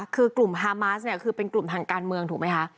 คือกลุ่มฮามาสเนี่ยคือเป็นกลุ่มทางการเมืองถูกไหมคะ